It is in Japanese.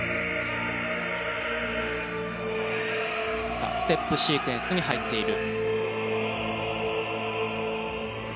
さあステップシークエンスに入っている。